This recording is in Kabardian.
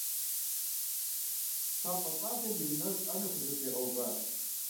ПщафӀэ щӀалэм емынэжь Ӏэнэр хузэтригъэуващ.